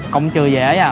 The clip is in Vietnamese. cộng chữ dễ vậy à